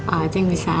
wajeng bisa aja